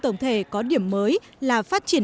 tổng thể có điểm mới là phát triển